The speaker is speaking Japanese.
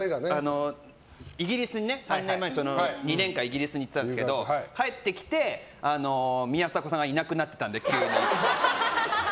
イギリスに２年間行ってたんですけど帰ってきて宮迫さんがいなくなってたんで、急に。